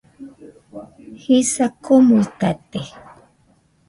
Jisa komuitate